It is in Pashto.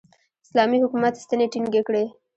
اسلامي حکومت ستنې ټینګې کړې.